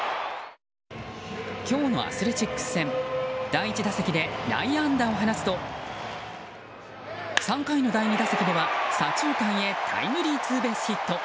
今日のアスレチックス戦第１打席で内野安打を放つと３回の第２打席では左中間へタイムリーツーベースヒット。